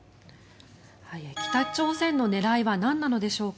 北朝鮮の狙いはなんなのでしょうか。